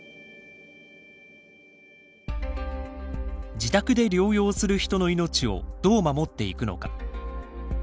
自宅で療養する人の命をどう守っていくのか。